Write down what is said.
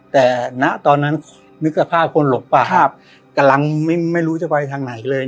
แต่ณตอนนั้นนึกสภาพคนหลบปากกำลังไม่รู้จะไปทางไหนเลย